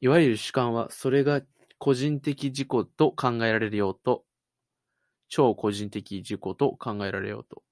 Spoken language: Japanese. いわゆる主観は、それが個人的自己と考えられようと超個人的自己と考えられようと、